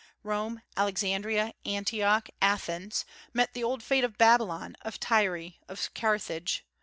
Rome, Alexandria, Antioch, Athens, met the old fate of Babylon, of Tyre, of Carthage.